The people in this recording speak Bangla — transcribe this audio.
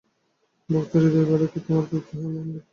ভক্তের হৃদয় পাইলেই কি তোমার তৃপ্তি হয় না, নিরপরাধের শোণিত চাই?